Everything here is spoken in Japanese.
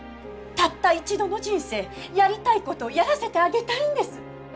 たった一度の人生やりたいことやらせてあげたいんです！